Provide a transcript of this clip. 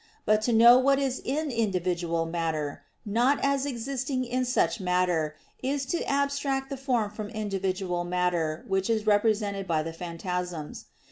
But to know what is in individual matter, not as existing in such matter, is to abstract the form from individual matter which is represented by the phantasms.